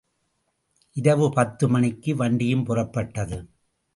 இரவு பத்து மணிக்கு வண்டியும் புறப்பட்டது.